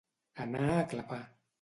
Anar a clapar.